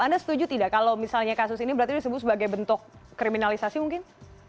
anda setuju tidak kalau misalnya kasus ini berarti disebut sebagai bentuk kriminalisasi mungkin